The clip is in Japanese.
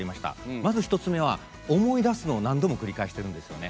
まず、１つ目は思い出すのを何度も繰り返してるんですよね。